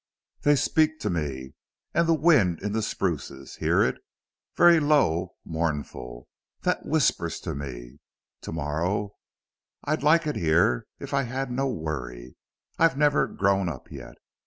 They speak to me. And the wind in the spruces. Hear it.... Very low, mournful! That whispers to me to morrow I'd like it here if I had no worry. I've never grown up yet.